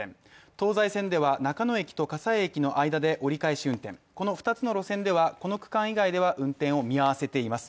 東西線では中野駅と葛西駅の間で折り返し運転、この２つの路線ではこの区間意外では運転を見合わせています。